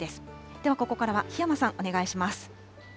ではここからは檜山さん、お願いします。